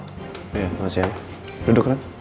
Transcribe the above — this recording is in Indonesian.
iya selamat siang duduk ren